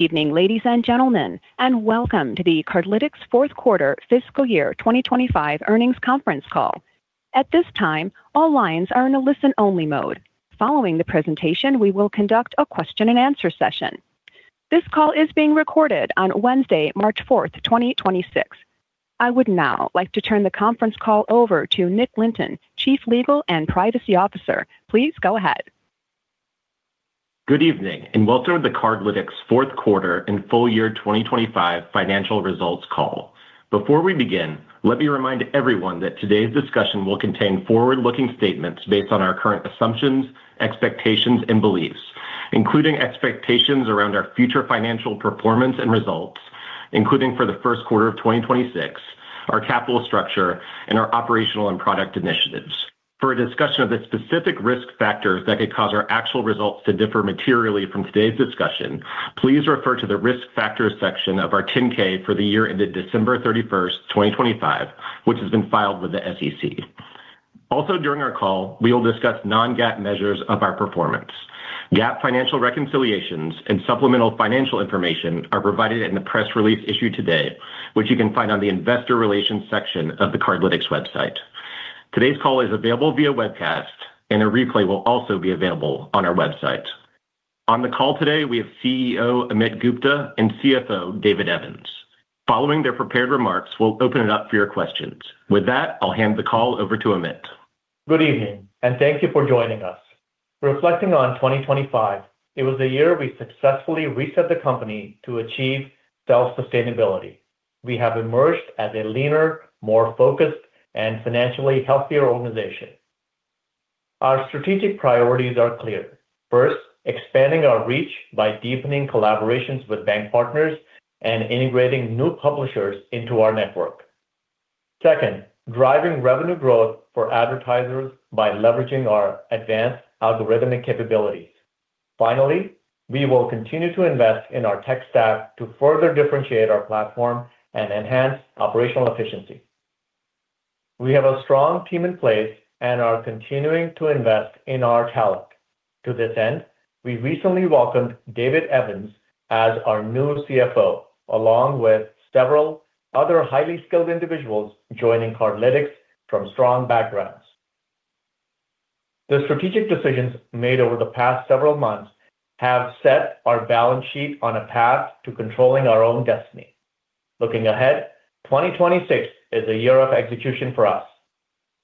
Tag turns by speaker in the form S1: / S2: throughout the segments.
S1: Evening, ladies and gentlemen, welcome to the Cardlytics Fourth Quarter Fiscal Year 2025 Earnings Conference Call. At this time, all lines are in a listen-only mode. Following the presentation, we will conduct a question and answer session. This call is being recorded on Wednesday, March 4th, 2026. I would now like to turn the conference call over to Nick Lynton, Chief Legal and Privacy Officer. Please go ahead.
S2: Good evening, welcome to the Cardlytics Fourth Quarter and Full Year 2025 Financial Results Call. Before we begin, let me remind everyone that today's discussion will contain forward-looking statements based on our current assumptions, expectations, and beliefs, including expectations around our future financial performance and results, including for the first quarter of 2026, our capital structure, and our operational and product initiatives. For a discussion of the specific risk factors that could cause our actual results to differ materially from today's discussion, please refer to the risk factors section of our 10-K for the year ended December 31st, 2025, which has been filed with the SEC. During our call, we will discuss non-GAAP measures of our performance. GAAP financial reconciliations and supplemental financial information are provided in the press release issued today, which you can find on the investor relations section of the Cardlytics website. Today's call is available via webcast. A replay will also be available on our website. On the call today, we have CEO, Amit Gupta, and CFO, David Evans. Following their prepared remarks, we'll open it up for your questions. With that, I'll hand the call over to Amit.
S3: Good evening, and thank you for joining us. Reflecting on 2025, it was a year we successfully reset the company to achieve self-sustainability. We have emerged as a leaner, more focused, and financially healthier organization. Our strategic priorities are clear. First, expanding our reach by deepening collaborations with bank partners and integrating new publishers into our network. Second, driving revenue growth for advertisers by leveraging our advanced algorithmic capabilities. Finally, we will continue to invest in our tech stack to further differentiate our platform and enhance operational efficiency. We have a strong team in place and are continuing to invest in our talent. To this end, we recently welcomed David Evans as our new CFO, along with several other highly skilled individuals joining Cardlytics from strong backgrounds. The strategic decisions made over the past several months have set our balance sheet on a path to controlling our own destiny. Looking ahead, 2026 is a year of execution for us.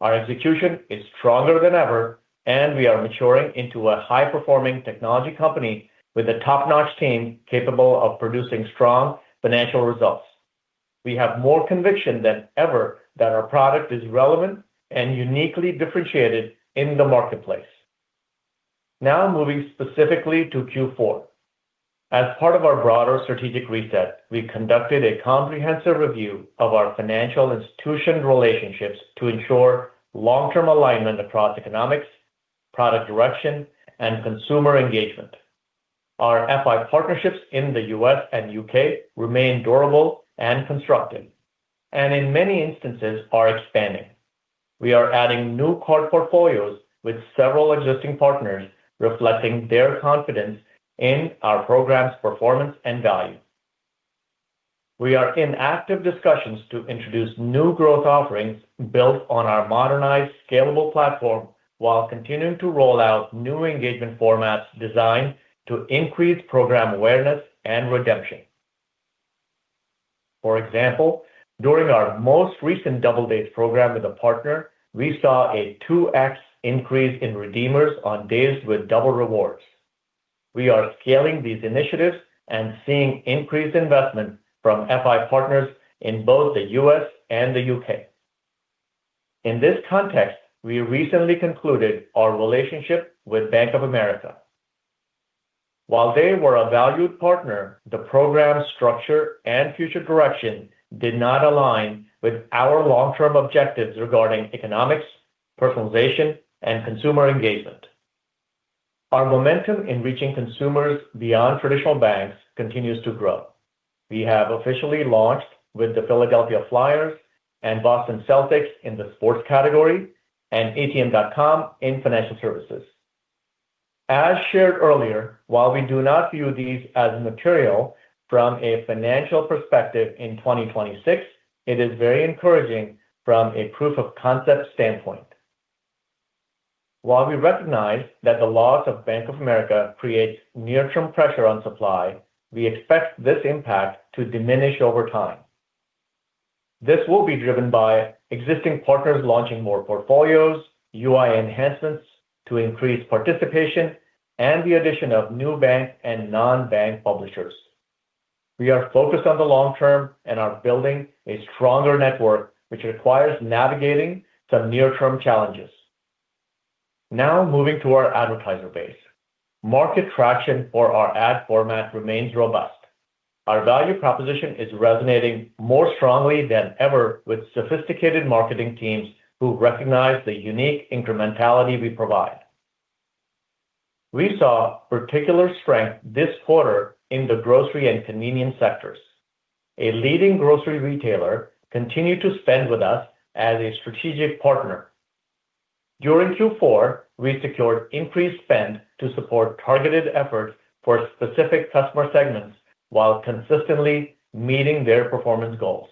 S3: Our execution is stronger than ever, we are maturing into a high-performing technology company with a top-notch team capable of producing strong financial results. We have more conviction than ever that our product is relevant and uniquely differentiated in the marketplace. Moving specifically to Q4. As part of our broader strategic reset, we conducted a comprehensive review of our financial institution relationships to ensure long-term alignment across economics, product direction, and consumer engagement. Our FI partnerships in the U.S. and U.K. remain durable and constructive, in many instances are expanding. We are adding new card portfolios with several existing partners, reflecting their confidence in our program's performance and value. We are in active discussions to introduce new growth offerings built on our modernized scalable platform while continuing to roll out new engagement formats designed to increase program awareness and redemption. For example, during our most recent Double Days program with a partner, we saw a 2x increase in redeemers on days with double rewards. We are scaling these initiatives and seeing increased investment from FI partners in both the U.S. and the U.K. In this context, we recently concluded our relationship with Bank of America. While they were a valued partner, the program structure and future direction did not align with our long-term objectives regarding economics, personalization, and consumer engagement. Our momentum in reaching consumers beyond traditional banks continues to grow. We have officially launched with the Philadelphia Flyers and Boston Celtics in the sports category, and ATM.com in financial services. As shared earlier, while we do not view these as material from a financial perspective in 2026, it is very encouraging from a proof of concept standpoint. While we recognize that the loss of Bank of America creates near-term pressure on supply, we expect this impact to diminish over time. This will be driven by existing partners launching more portfolios, UI enhancements to increase participation, and the addition of new bank and non-bank publishers. We are focused on the long term and are building a stronger network, which requires navigating some near-term challenges. Now moving to our advertiser base. Market traction for our ad format remains robust. Our value proposition is resonating more strongly than ever with sophisticated marketing teams who recognize the unique incrementality we provide. We saw particular strength this quarter in the grocery and convenience sectors. A leading grocery retailer continued to spend with us as a strategic partner. During Q4, we secured increased spend to support targeted efforts for specific customer segments while consistently meeting their performance goals.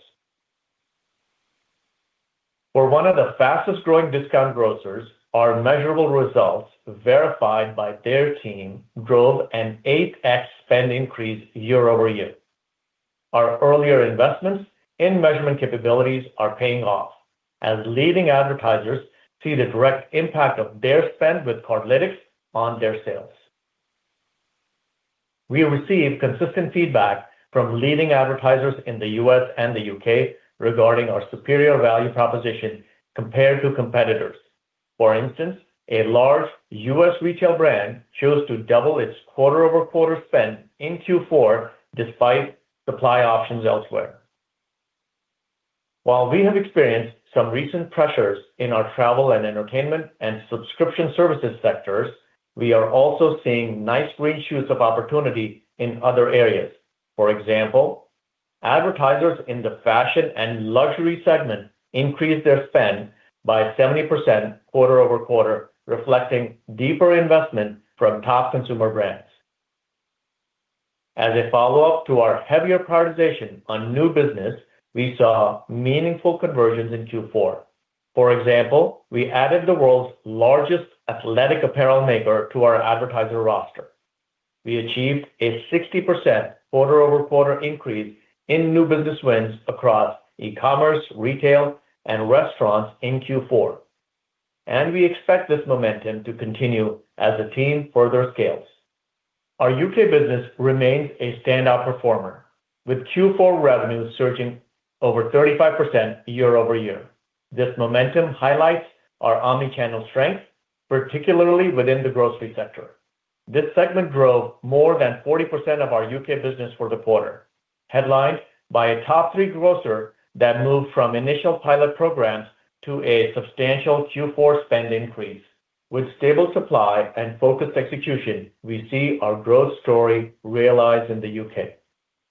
S3: For one of the fastest-growing discount grocers, our measurable results verified by their team drove an 8x spend increase year-over-year. Our earlier investments in measurement capabilities are paying off as leading advertisers see the direct impact of their spend with Cardlytics on their sales. We receive consistent feedback from leading advertisers in the U.S. and the U.K. Regarding our superior value proposition compared to competitors. For instance, a large U.S. retail brand chose to double its quarter-over-quarter spend in Q4 despite supply options elsewhere. While we have experienced some recent pressures in our travel and entertainment and subscription services sectors, we are also seeing nice green shoots of opportunity in other areas. For example, advertisers in the fashion and luxury segment increased their spend by 70% quarter-over-quarter, reflecting deeper investment from top consumer brands. As a follow-up to our heavier prioritization on new business, we saw meaningful conversions in Q4. For example, we added the world's largest athletic apparel maker to our advertiser roster. We achieved a 60% quarter-over-quarter increase in new business wins across e-commerce, retail, and restaurants in Q4. We expect this momentum to continue as the team further scales. Our U.K. business remains a standout performer, with Q4 revenue surging over 35% year-over-year. This momentum highlights our omni-channel strength, particularly within the grocery sector. This segment drove more than 40% of our U.K. business for the quarter, headlined by a top 3 grocer that moved from initial pilot programs to a substantial Q4 spend increase. With stable supply and focused execution, we see our growth story realized in the U.K.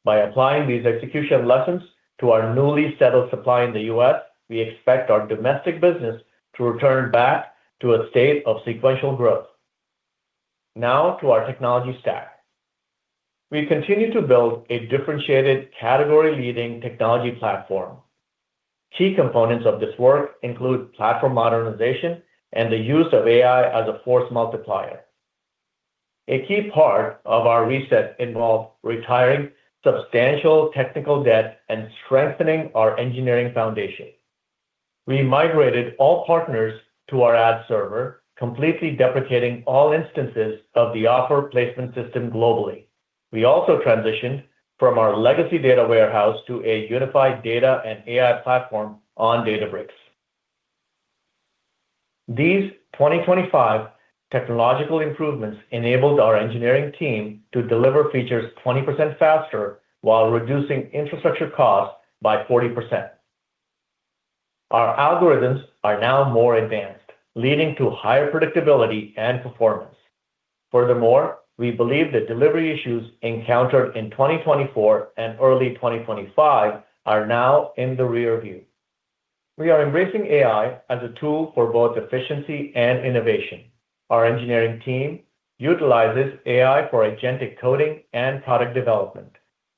S3: By applying these execution lessons to our newly settled supply in the U.S., we expect our domestic business to return back to a state of sequential growth. To our technology stack. We continue to build a differentiated category-leading technology platform. Key components of this work include platform modernization and the use of AI as a force multiplier. A key part of our reset involved retiring substantial technical debt and strengthening our engineering foundation. We migrated all partners to our ad server, completely deprecating all instances of the Offer Placement System globally. We also transitioned from our legacy data warehouse to a unified data and AI platform on Databricks. These 2025 technological improvements enabled our engineering team to deliver features 20% faster while reducing infrastructure costs by 40%. Our algorithms are now more advanced, leading to higher predictability and performance. We believe that delivery issues encountered in 2024 and early 2025 are now in the rear view. We are embracing AI as a tool for both efficiency and innovation. Our engineering team utilizes AI for agentic coding and product development,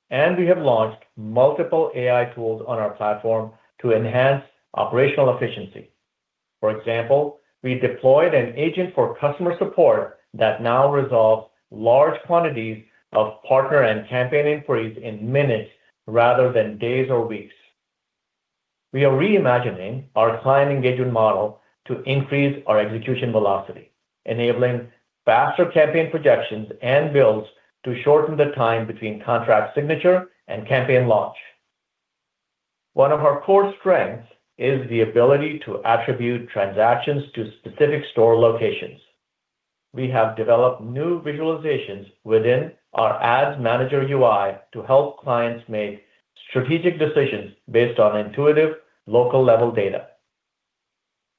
S3: and we have launched multiple AI tools on our platform to enhance operational efficiency. For example, we deployed an agent for customer support that now resolves large quantities of partner and campaign inquiries in minutes rather than days or weeks. We are reimagining our client engagement model to increase our execution velocity, enabling faster campaign projections and builds to shorten the time between contract signature and campaign launch. One of our core strengths is the ability to attribute transactions to specific store locations. We have developed new visualizations within our Ads Manager UI to help clients make strategic decisions based on intuitive local-level data.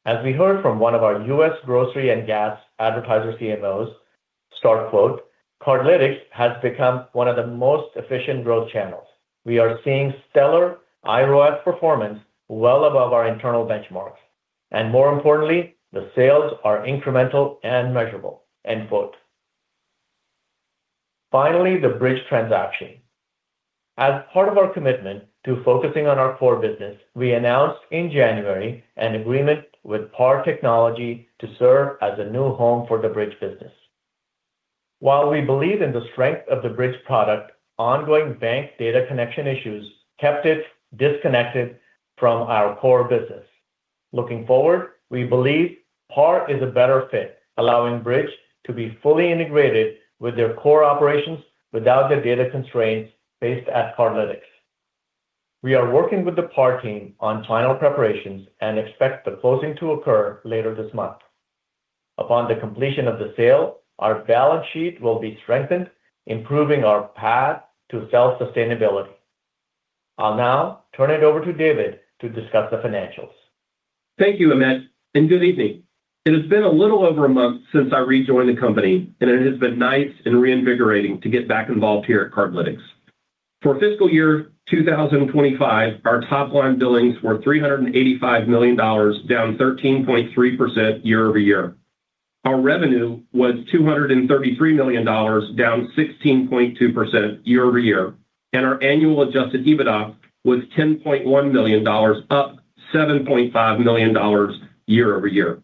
S3: As we heard from one of our U.S. grocery and gas advertiser CMOs, "Cardlytics has become one of the most efficient growth channels. We are seeing stellar IRF performance well above our internal benchmarks, and more importantly, the sales are incremental and measurable." The Bridg transaction. As part of our commitment to focusing on our core business, we announced in January an agreement with PAR Technology to serve as a new home for the Bridg business. While we believe in the strength of the Bridg product, ongoing bank data connection issues kept it disconnected from our core business. Looking forward, we believe PAR is a better fit, allowing Bridg to be fully integrated with their core operations without the data constraints faced at Cardlytics. We are working with the PAR team on final preparations and expect the closing to occur later this month. Upon the completion of the sale, our balance sheet will be strengthened, improving our path to self-sustainability. I'll now turn it over to David to discuss the financials.
S4: Thank you, Amit. Good evening. It has been a little over a month since I rejoined the company, and it has been nice and reinvigorating to get back involved here at Cardlytics. For fiscal year 2025, our top-line billings were $385 million, down 13.3% year-over-year. Our revenue was $233 million, down 16.2% year-over-year. Our annual Adjusted EBITDA was $10.1 million, up $7.5 million year-over-year.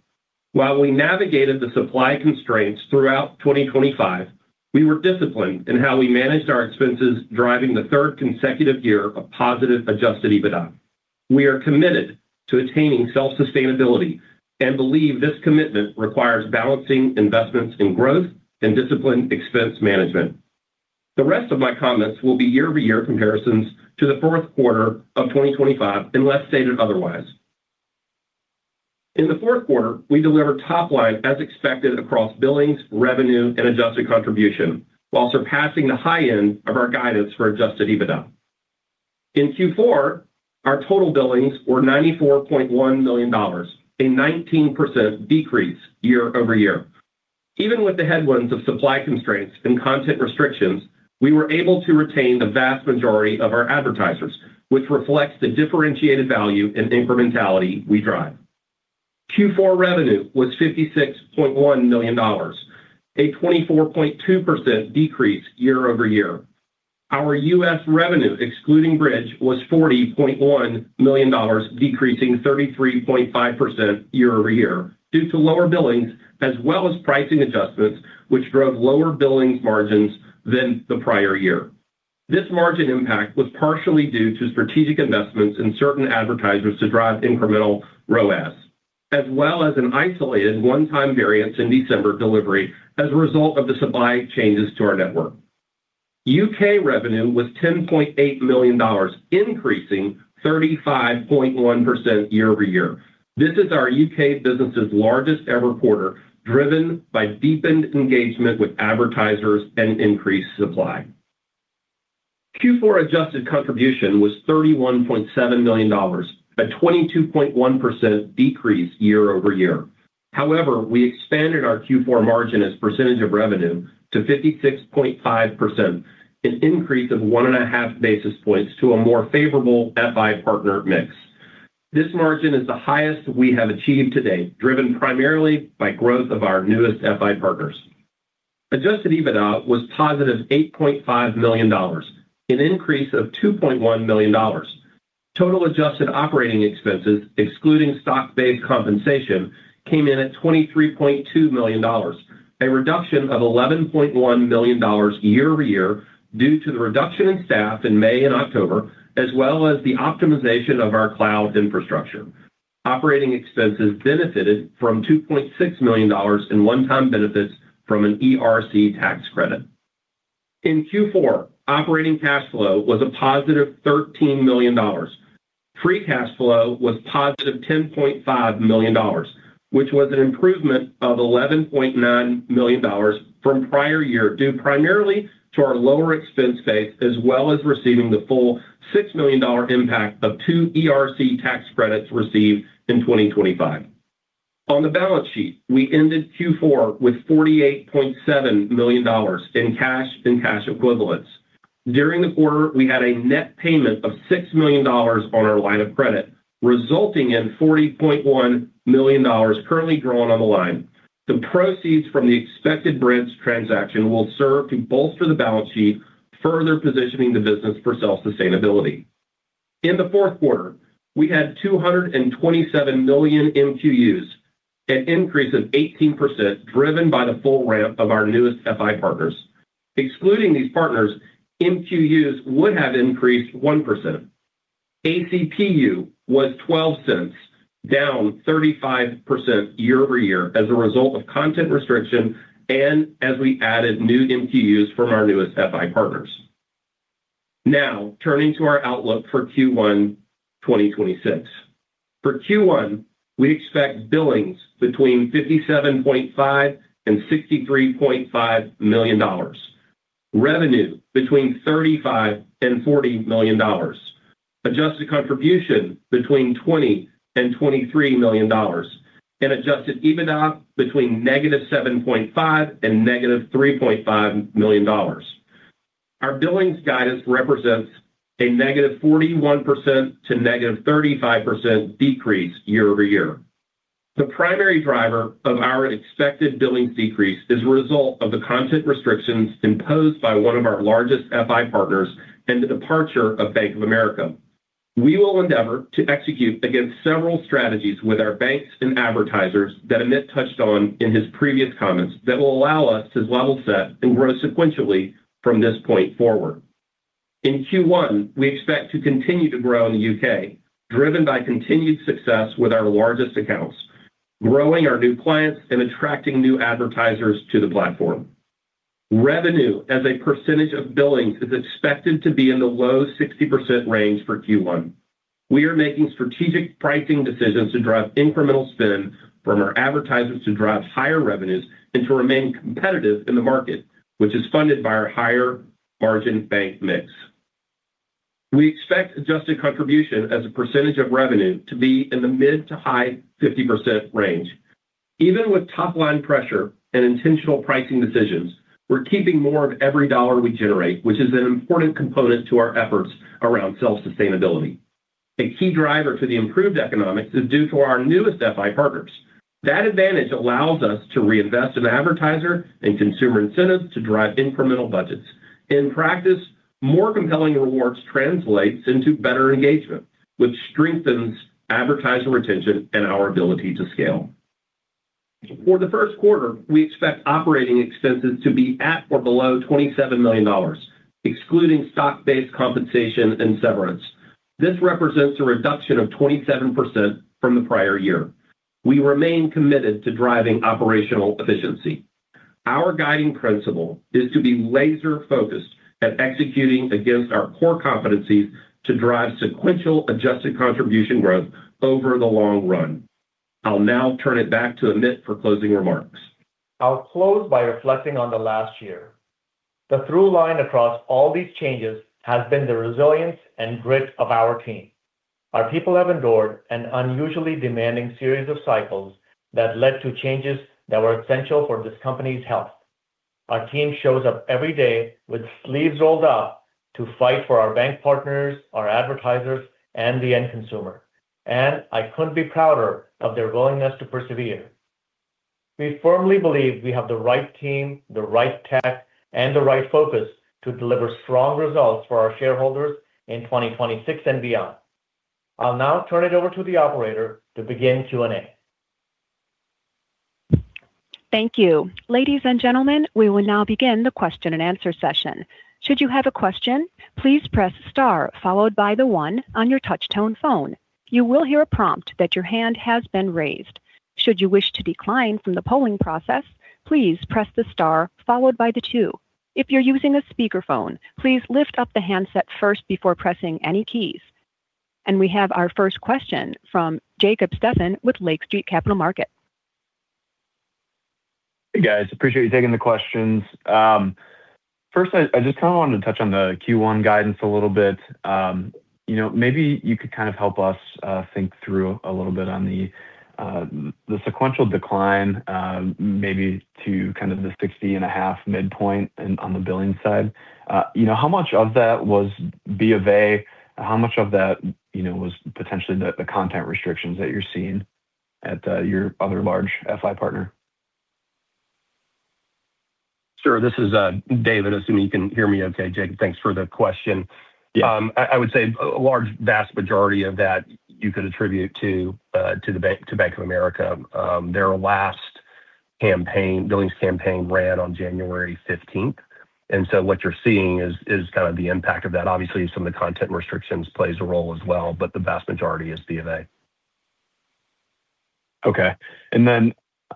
S4: While we navigated the supply constraints throughout 2025, we were disciplined in how we managed our expenses, driving the third consecutive year of positive Adjusted EBITDA. We are committed to attaining self-sustainability and believe this commitment requires balancing investments in growth and disciplined expense management. The rest of my comments will be year-over-year comparisons to the fourth quarter of 2025 unless stated otherwise. In the fourth quarter, we delivered top line as expected across billings, revenue, and Adjusted Contribution while surpassing the high end of our guidance for Adjusted EBITDA. In Q4, our total billings were $94.1 million, a 19% decrease year-over-year. Even with the headwinds of supply constraints and content restrictions, we were able to retain the vast majority of our advertisers, which reflects the differentiated value and incrementality we drive. Q4 revenue was $56.1 million, a 24.2% decrease year-over-year. Our U.S. revenue, excluding Bridg, was $40.1 million, decreasing 33.5% year-over-year due to lower billings as well as pricing adjustments, which drove lower billings margins than the prior year. This margin impact was partially due to strategic investments in certain advertisers to drive incremental ROAS, as well as an isolated one-time variance in December delivery as a result of the supply changes to our network. U.K. revenue was $10.8 million, increasing 35.1% year-over-year. This is our U.K. business's largest-ever quarter, driven by deepened engagement with advertisers and increased supply. Q4 Adjusted Contribution was $31.7 million, a 22.1% decrease year-over-year. However, we expanded our Q4 margin as a percentage of revenue to 56.5%, an increase of 1.5 basis points to a more favorable FI partner mix. This margin is the highest we have achieved to date, driven primarily by growth of our newest FI partners. Adjusted EBITDA was positive $8.5 million, an increase of $2.1 million. Total adjusted operating expenses, excluding stock-based compensation, came in at $23.2 million, a reduction of $11.1 million year-over-year due to the reduction in staff in May and October, as well as the optimization of our cloud infrastructure. Operating expenses benefited from $2.6 million in one-time benefits from an ERC tax credit. In Q4, operating cash flow was a positive $13 million. Free cash flow was positive $10.5 million, which was an improvement of $11.9 million from prior year due primarily to our lower expense base as well as receiving the full $6 million impact of two ERC tax credits received in 2025. On the balance sheet, we ended Q4 with $48.7 million in cash and cash equivalents. During the quarter, we had a net payment of $6 million on our line of credit, resulting in $40.1 million currently drawn on the line. The proceeds from the expected Bridg transaction will serve to bolster the balance sheet, further positioning the business for self-sustainability. In the fourth quarter, we had 227 million MQUs, an increase of 18% driven by the full ramp of our newest FI partners. Excluding these partners, MQUs would have increased 1%. ACPU was $0.12, down 35% year-over-year as a result of content restriction and as we added new MQUs from our newest FI partners. Turning to our outlook for Q1 2026. For Q1, we expect billings between $57.5 million and $63.5 million, revenue between $35 million and $40 million, Adjusted Contribution between $20 million and $23 million, and Adjusted EBITDA between -$7.5 million and -$3.5 million. Our billings guidance represents a -41% to -35% decrease year-over-year. The primary driver of our expected billings decrease is a result of the content restrictions imposed by one of our largest FI partners and the departure of Bank of America. We will endeavor to execute against several strategies with our banks and advertisers that Amit touched on in his previous comments that will allow us to level set and grow sequentially from this point forward. In Q1, we expect to continue to grow in the U.K., driven by continued success with our largest accounts, growing our new clients, and attracting new advertisers to the platform. Revenue as a percentage of billings is expected to be in the low 60% range for Q1. We are making strategic pricing decisions to drive incremental spend from our advertisers to drive higher revenues and to remain competitive in the market, which is funded by our higher margin bank mix. We expect Adjusted Contribution as a percentage of revenue to be in the mid to high 50% range. Even with top line pressure and intentional pricing decisions, we're keeping more of every dollar we generate, which is an important component to our efforts around self-sustainability. A key driver to the improved economics is due to our newest FI partners. That advantage allows us to reinvest in advertiser and consumer incentives to drive incremental budgets. In practice, more compelling rewards translates into better engagement, which strengthens advertiser retention and our ability to scale. For the first quarter, we expect operating expenses to be at or below $27 million, excluding stock-based compensation and severance. This represents a reduction of 27% from the prior year. We remain committed to driving operational efficiency. Our guiding principle is to be laser-focused at executing against our core competencies to drive sequential Adjusted Contribution growth over the long run. I'll now turn it back to Amit for closing remarks.
S3: I'll close by reflecting on the last year. The through line across all these changes has been the resilience and grit of our team. Our people have endured an unusually demanding series of cycles that led to changes that were essential for this company's health. Our team shows up every day with sleeves rolled up to fight for our bank partners, our advertisers, and the end consumer. I couldn't be prouder of their willingness to persevere. We firmly believe we have the right team, the right tech, and the right focus to deliver strong results for our shareholders in 2026 and beyond. I'll now turn it over to the operator to begin Q&A.
S1: Thank you. Ladies and gentlemen, we will now begin the question and answer session. Should you have a question, please press star followed by the one on your touch tone phone. You will hear a prompt that your hand has been raised. Should you wish to decline from the polling process, please press the star followed by the two. If you're using a speakerphone, please lift up the handset first before pressing any keys. We have our first question from Jacob Stephan with Lake Street Capital Markets.
S5: Hey, guys. Appreciate you taking the questions. First, I just kind of wanted to touch on the Q1 guidance a little bit. You know, maybe you could kind of help us think through a little bit on the sequential decline, maybe to kind of the $60.5 midpoint on the billing side. You know, how much of that was BofA? How much of that, you know, was potentially the content restrictions that you're seeing at your other large FI partner?
S4: Sure. This is, David, assuming you can hear me okay. Jacob, thanks for the question.
S5: Yeah.
S4: I would say a large vast majority of that you could attribute to Bank of America. Their last campaign, billings campaign ran on January 15th. What you're seeing is kind of the impact of that. Obviously, some of the content restrictions plays a role as well. The vast majority is BofA.
S5: Okay.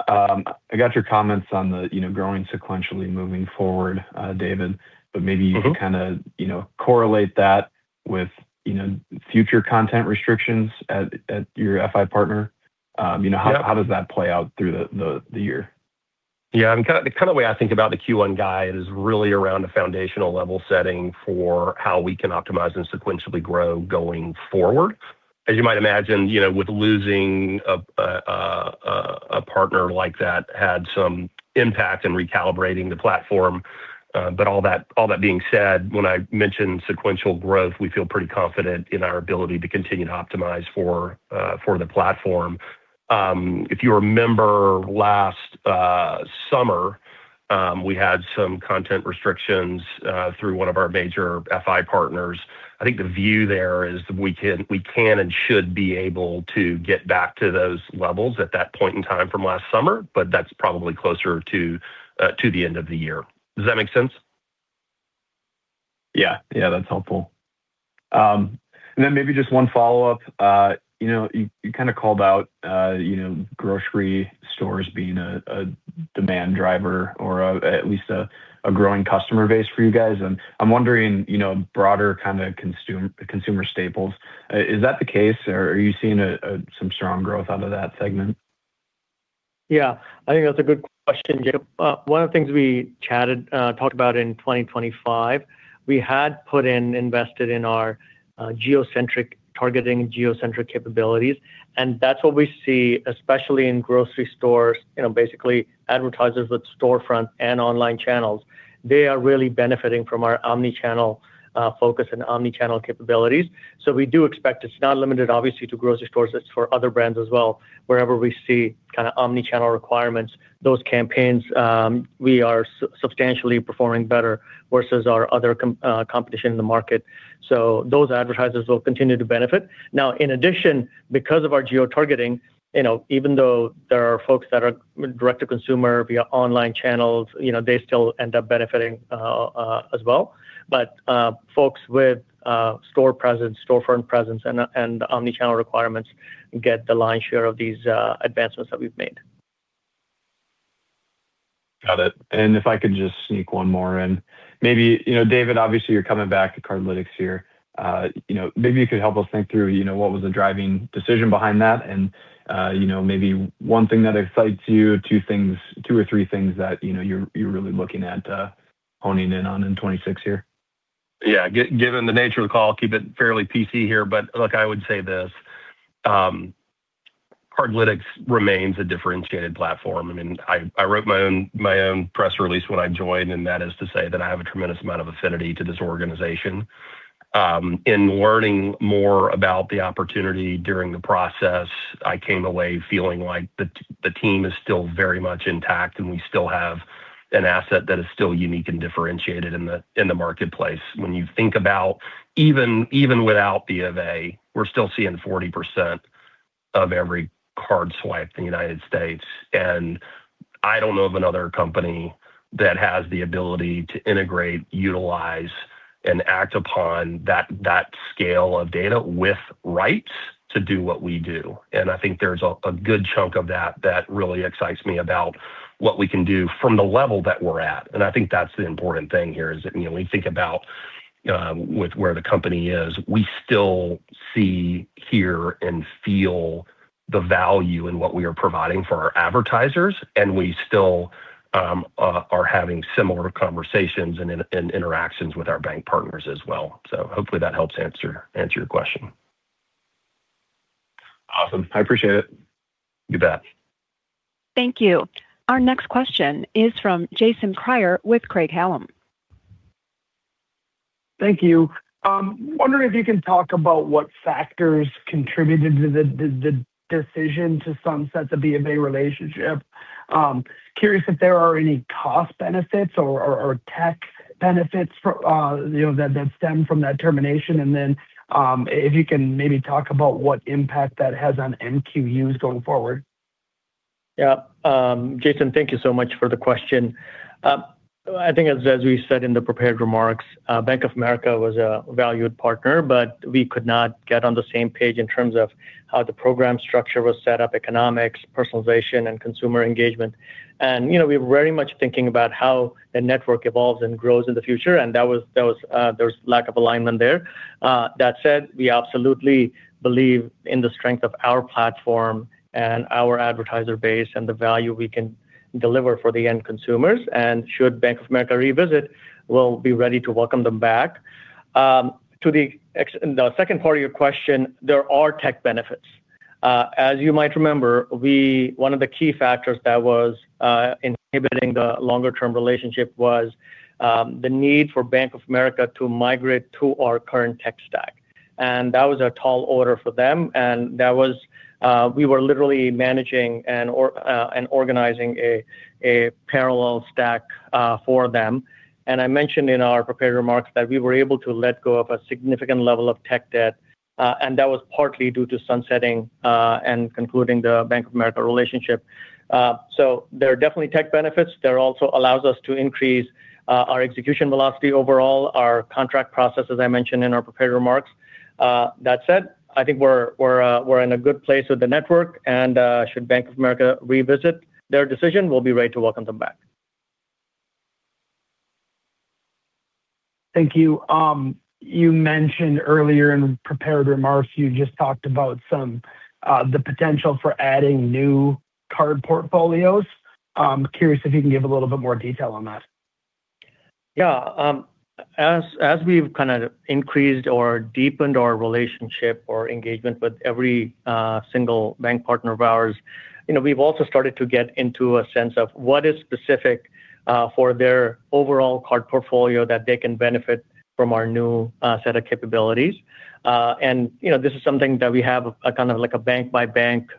S5: I got your comments on the, you know, growing sequentially moving forward, David. Maybe you can kinda, you know, correlate that with, you know, future content restrictions at your FI partner, how does that play out through the year?
S4: Yeah. The kinda way I think about the Q1 guide is really around a foundational level setting for how we can optimize and sequentially grow going forward. As you might imagine, you know, with losing a partner like that had some impact in recalibrating the platform. All that being said, when I mention sequential growth, we feel pretty confident in our ability to continue to optimize for the platform. If you remember last summer, we had some content restrictions through one of our major FI partners. I think the view there is we can and should be able to get back to those levels at that point in time from last summer, but that's probably closer to the end of the year. Does that make sense?
S5: Yeah. Yeah, that's helpful. Maybe just one follow-up. You know, you kinda called out, you know, grocery stores being a demand driver or, at least a growing customer base for you guys. I'm wondering, you know, broader kinda consumer staples, is that the case or are you seeing some strong growth out of that segment?
S3: Yeah. I think that's a good question, Jacob. One of the things we talked about in 2025, we had put in, invested in our geo-targeting capabilities, and that's what we see, especially in grocery stores, you know, basically advertisers with storefront and online channels. They are really benefiting from our omni-channel focus and omni-channel capabilities. We do expect it's not limited obviously to grocery stores. It's for other brands as well. Wherever we see kinda omni-channel requirements, those campaigns, we are substantially performing better versus our other competition in the market. Those advertisers will continue to benefit. In addition, because of our geo-targeting, you know, even though there are folks that are direct to consumer via online channels, you know, they still end up benefiting as well. Folks with store presence, storefront presence and omni-channel requirements get the lion's share of these advancements that we've made.
S5: Got it. If I could just sneak one more in. Maybe, you know, David, obviously, you're coming back to Cardlytics here. you know, maybe you could help us think through, you know, what was the driving decision behind that and, you know, maybe one thing that excites you, two or three things that, you know, you're really looking at, honing in on in 2026 here.
S4: Yeah. Given the nature of the call, keep it fairly PC here, but look, I would say this. Cardlytics remains a differentiated platform. I mean, I wrote my own press release when I joined. That is to say that I have a tremendous amount of affinity to this organization. In learning more about the opportunity during the process, I came away feeling like the team is still very much intact. We still have an asset that is still unique and differentiated in the marketplace. When you think about even without BofA, we're still seeing 40% of every card swipe in the United States. I don't know of another company that has the ability to integrate, utilize, and act upon that scale of data with rights to do what we do. I think there's a good chunk of that that really excites me about what we can do from the level that we're at. I think that's the important thing here, is that, you know, when you think about, with where the company is, we still see, hear, and feel the value in what we are providing for our advertisers, and we still are having similar conversations and interactions with our bank partners as well. Hopefully that helps answer your question.
S5: Awesome. I appreciate it.
S4: You bet.
S1: Thank you. Our next question is from Jason Kreyer with Craig-Hallum.
S6: Thank you. Wondering if you can talk about what factors contributed to the decision to sunset the BofA relationship. Curious if there are any cost benefits or tech benefits for, you know, that stem from that termination. Then, if you can maybe talk about what impact that has on MQUs going forward.
S3: Jason, thank you so much for the question. I think as we said in the prepared remarks, Bank of America was a valued partner, but we could not get on the same page in terms of how the program structure was set up, economics, personalization, and consumer engagement. You know, we're very much thinking about how the network evolves and grows in the future, and that was, that was, there was lack of alignment there. That said, we absolutely believe in the strength of our platform and our advertiser base and the value we can deliver for the end consumers. Should Bank of America revisit, we'll be ready to welcome them back. To the second part of your question, there are tech benefits. As you might remember, one of the key factors that was inhibiting the longer term relationship was the need for Bank of America to migrate to our current tech stack. That was a tall order for them. That was, we were literally managing and organizing a parallel stack for them. I mentioned in our prepared remarks that we were able to let go of a significant level of tech debt, and that was partly due to sunsetting and concluding the Bank of America relationship. There are definitely tech benefits. There also allows us to increase our execution velocity overall, our contract process, as I mentioned in our prepared remarks. That said, I think we're in a good place with the network, and should Bank of America revisit their decision, we'll be ready to welcome them back.
S6: Thank you. You mentioned earlier in prepared remarks, you just talked about some, the potential for adding new card portfolios. I'm curious if you can give a little bit more detail on that.
S3: Yeah. As we've kinda increased or deepened our relationship or engagement with every single bank partner of ours, you know, we've also started to get into a sense of what is specific for their overall card portfolio that they can benefit from our new set of capabilities. You know, this is something that we have a kind of like a bank-by-bank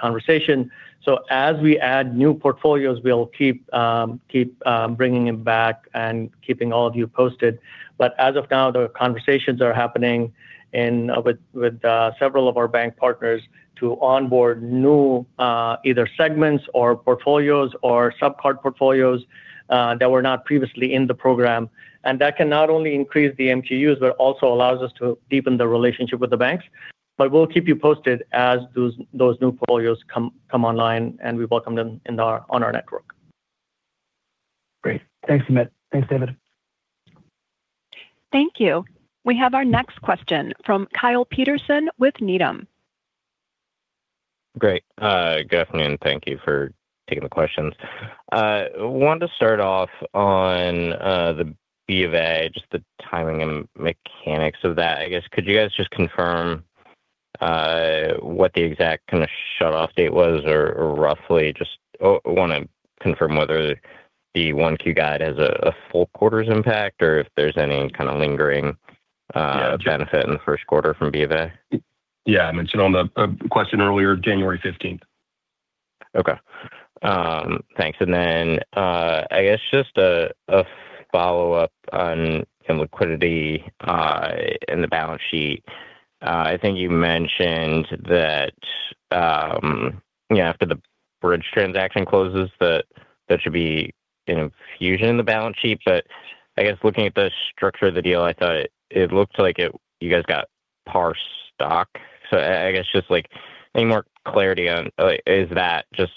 S3: conversation. As we add new portfolios, we'll keep bringing them back and keeping all of you posted. As of now, the conversations are happening with several of our bank partners to onboard new either segments or portfolios or sub card portfolios that were not previously in the program. That can not only increase the MQUs, but also allows us to deepen the relationship with the banks. We'll keep you posted as those new portfolios come online, and we welcome them on our network.
S6: Great. Thanks, Amit. Thanks, David.
S1: Thank you. We have our next question from Kyle Peterson with Needham.
S7: Great. Good afternoon. Thank you for taking the questions. Wanted to start off on the BofA, just the timing and mechanics of that. I guess, could you guys just confirm what the exact kinda shutoff date was or roughly just, wanna confirm whether the 1Q guide has a full quarters impact or if there's any kinda lingering benefit in the first quarter from BofA?
S4: Yeah. I mentioned on the question earlier, January 15th.
S7: Okay. Thanks. I guess just a follow-up on some liquidity in the balance sheet. I think you mentioned that, you know, after the Bridg transaction closes, that there should be an infusion in the balance sheet. I guess looking at the structure of the deal, I thought it looked like it you guys got PAR stock. I guess just like any more clarity on, like, is that just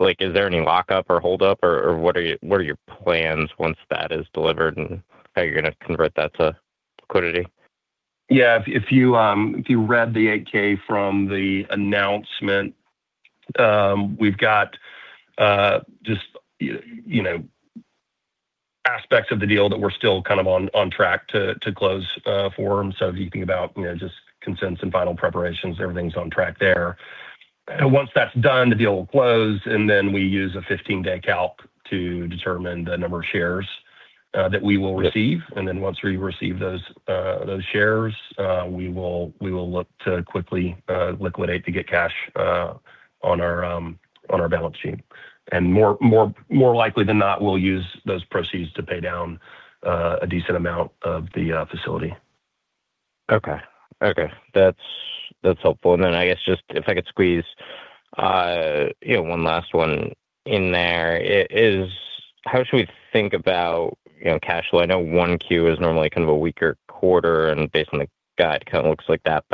S7: Like, is there any lockup or holdup or what are your plans once that is delivered and how you're gonna convert that to liquidity?
S4: Yeah. If you, if you read the Form 8-K from the announcement, we've got, just, you know, Aspects of the deal that we're still kind of on track to close, for. If you think about, you know, just consents and final preparations, everything's on track there. Once that's done, the deal will close. We use a 15-day calc to determine the number of shares, that we will receive. Once we receive those shares, we will look to quickly, liquidate to get cash, on our balance sheet. More likely than not, we'll use those proceeds to pay down, a decent amount of the, facility.
S7: Okay. Okay. That's, that's helpful. I guess just if I could squeeze, you know, one last one in there, how should we think about, you know, cash flow? I know 1Q is normally kind of a weaker quarter. Based on the guide, kind of looks like that.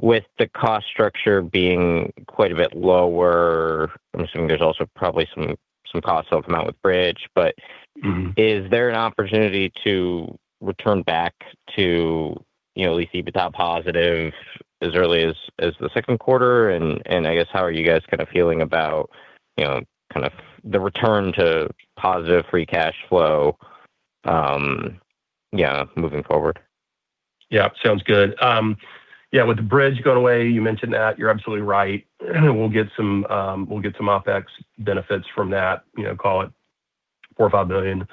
S7: With the cost structure being quite a bit lower, I'm assuming there's also probably some costs that will come out with Bridg.
S4: Mm-hmm.
S7: Is there an opportunity to return back to, you know, at least EBITDA positive as early as the second quarter? I guess, how are you guys kind of feeling about, you know, kind of the return to positive free cash flow, yeah, moving forward?
S4: Yeah. Sounds good. Yeah, with the Bridg going away, you mentioned that, you're absolutely right. We'll get some OpEx benefits from that, you know, call it $4 billion-$5 billion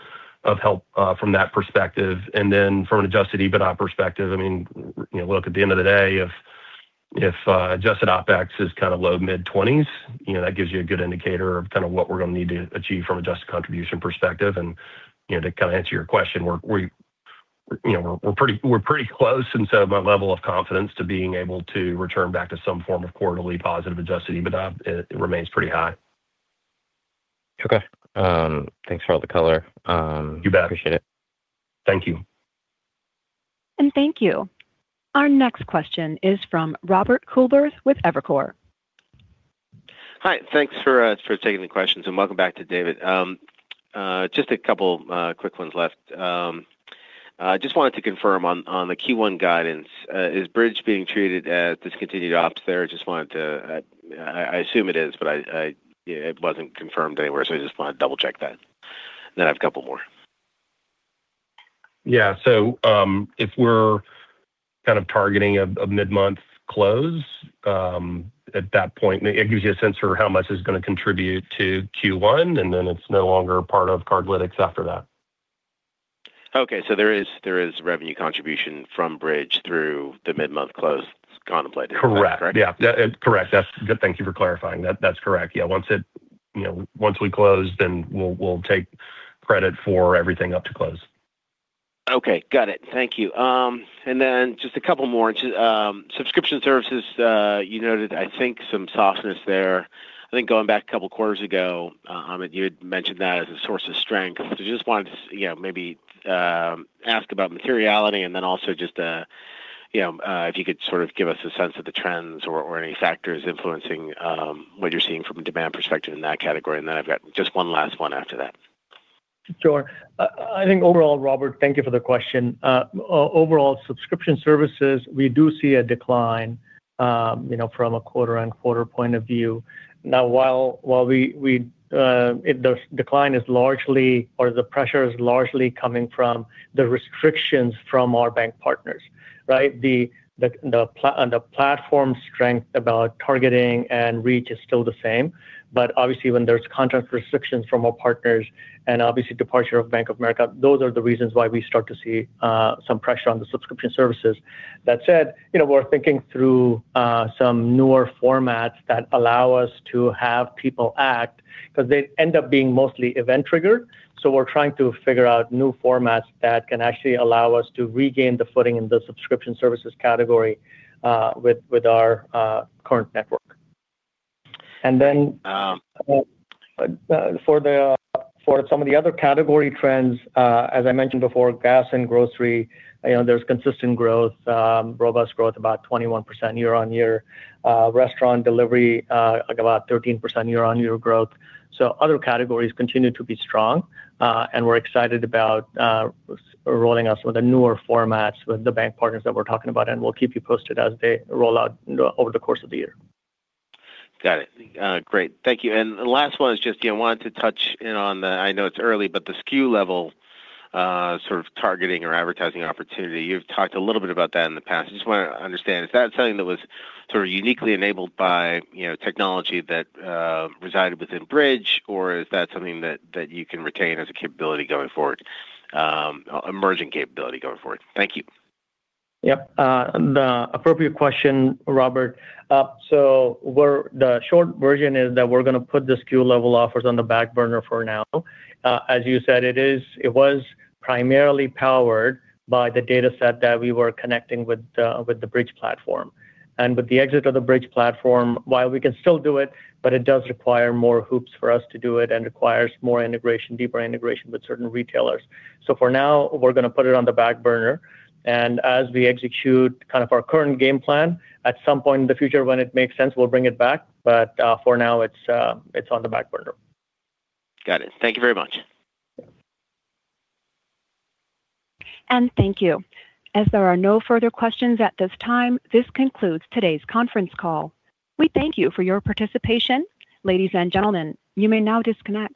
S4: of help from that perspective. From an adjusted EBITDA perspective, I mean, you know, look, at the end of the day, if adjusted OpEx is kinda low-mid 20s, you know, that gives you a good indicator of kinda what we're gonna need to achieve from Adjusted Contribution perspective. To kinda answer your question, we're pretty close instead of a level of confidence to being able to return back to some form of quarterly positive adjusted EBITDA. It remains pretty high.
S7: Okay. Thanks for all the color.
S4: You bet.
S7: Appreciate it.
S4: Thank you.
S1: Thank you. Our next question is from Robert Coolbrith with Evercore.
S8: Hi. Thanks for taking the questions and welcome back to David. Just a couple quick ones left. Just wanted to confirm on the Q1 guidance, is Bridg being treated as discontinued ops there? I assume it is, but it wasn't confirmed anywhere, so I just wanna double-check that. I have a couple more.
S4: If we're kind of targeting a mid-month close, at that point, it gives you a sense for how much is gonna contribute to Q1, and then it's no longer a part of Cardlytics after that.
S8: Okay. There is revenue contribution from Bridg through the mid-month close contemplated.
S4: Correct.
S8: Right?
S4: Yeah. Correct. Thank you for clarifying. That's correct. Yeah. Once you know, once we close, then we'll take credit for everything up to close.
S8: Okay. Got it. Thank you. Just a couple more. Just subscription services, you noted, I think, some softness there. I think going back a couple quarters ago, Amit, you had mentioned that as a source of strength. Just wanted to you know, maybe, ask about materiality and then also just, you know, if you could sort of give us a sense of the trends or any factors influencing, what you're seeing from a demand perspective in that category. I've got just one last one after that.
S3: Sure. I think overall, Robert, thank you for the question. Overall, subscription services, we do see a decline, you know, from a quarter-on-quarter point of view. The decline is largely or the pressure is largely coming from the restrictions from our bank partners, right? The platform strength about targeting and reach is still the same. Obviously, when there's contract restrictions from our partners and obviously departure of Bank of America, those are the reasons why we start to see some pressure on the subscription services. That said, you know, we're thinking through some newer formats that allow us to have people act because they end up being mostly event-triggered. We're trying to figure out new formats that can actually allow us to regain the footing in the subscription services category, with our, current network. For the, for some of the other category trends, as I mentioned before, gas and grocery, you know, there's consistent growth, robust growth, about 21% year-over-year. Restaurant delivery, like about 13% year-over-year growth. Other categories continue to be strong, and we're excited about rolling out some of the newer formats with the bank partners that we're talking about, and we'll keep you posted as they roll out over the course of the year.
S8: Got it. Great. Thank you. The last one is just, you know, wanted to touch in on the, I know it's early, but the SKU level, sort of targeting or advertising opportunity. You've talked a little bit about that in the past. I just wanna understand, is that something that was sort of uniquely enabled by, you know, technology that resided within Bridg, or is that something that you can retain as a capability going forward, emerging capability going forward? Thank you.
S3: Yep. The appropriate question, Robert. The short version is that we're gonna put the SKU level offers on the back burner for now. As you said, it was primarily powered by the dataset that we were connecting with the Bridg platform. With the exit of the Bridg platform, while we can still do it, but it does require more hoops for us to do it and requires more integration, deeper integration with certain retailers. For now we're gonna put it on the back burner, and as we execute kind of our current game plan, at some point in the future when it makes sense, we'll bring it back. For now, it's on the back burner.
S8: Got it. Thank you very much.
S1: Thank you. As there are no further questions at this time, this concludes today's conference call. We thank you for your participation. Ladies and gentlemen, you may now disconnect.